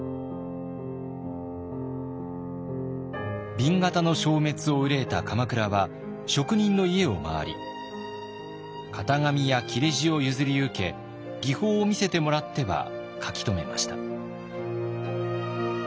紅型の消滅を憂えた鎌倉は職人の家を回り型紙や裂地を譲り受け技法を見せてもらっては書き留めました。